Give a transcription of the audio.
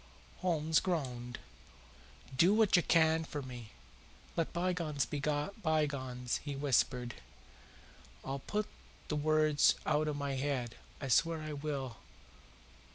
Holmes groaned. "Do what you can for me. Let bygones be bygones," he whispered. "I'll put the words out of my head I swear I will.